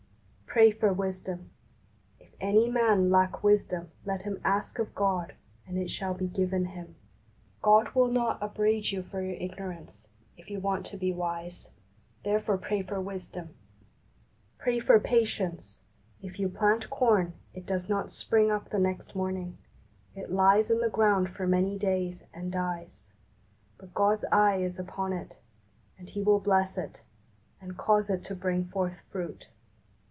Pray for wisdom. "If any man lack wisdom let him ask of God, and it shall be given him." God will not THE LEGACY OF HOLINESS. 85 upbraid you for your ignorance, if you want to be wise ; therefore pray for wisdom. Pray for patience. If you plant corn, it does not spring up the next morning. It lies in the ground for many days, and dies ; but God's eye is upon it, and He will bless it, and cause it to bring forth fruit.